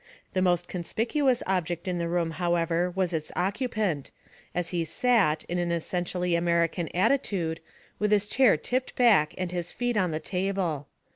The most conspicuous object in the room, however, was its occupant, as he sat, in an essentially American attitude, with his chair tipped back and his feet on the table.